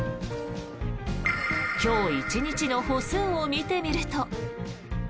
今日１日の歩数を見てみると。